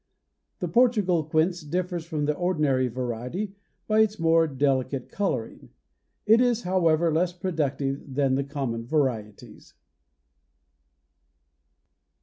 The Portugal quince differs from the ordinary variety by its more delicate coloring. It is, however, less productive than the common varieties.